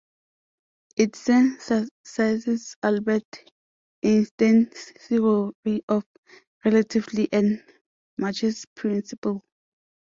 It synthesizes Albert Einstein's Theory of Relativity and Mach's Principle.